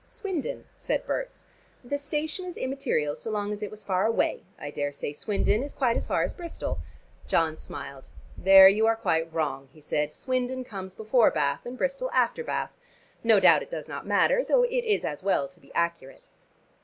"Swindon," said Berts. "The station is immaterial, so long as it was far away. I daresay Swindon is quite as far as Bristol." John smiled. "There you are quite wrong," he said. "Swindon comes before Bath, and Bristol after Bath. No doubt it does not matter, though it is as well to be accurate."